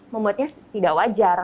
membuatnya tidak wajar